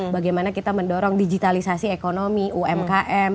bagaimana kita mendorong digitalisasi ekonomi umkm